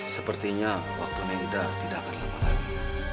sepertinya waktunya tidak akan lama lagi